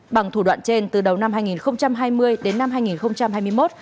bằng thủ đoạn trên từ đầu năm hai nghìn hai mươi đến năm hai nghìn hai mươi một